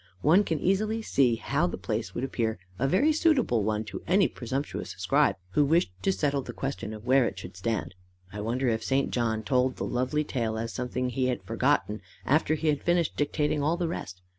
One can easily see how the place would appear a very suitable one to any presumptuous scribe who wished to settle the question of where it should stand. I wonder if St. John told the lovely tale as something he had forgotten, after he had finished dictating all the rest.